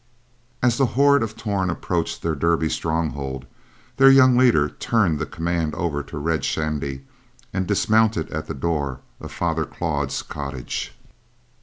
As the horde of Torn approached their Derby stronghold, their young leader turned the command over to Red Shandy and dismounted at the door of Father Claude's cottage.